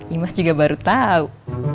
imas juga baru tau